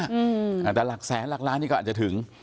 อืมอ่าแต่หลักแสนหลักล้านนี่ก็อาจจะถึง